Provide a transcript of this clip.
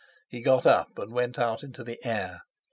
He got up and went out into the air.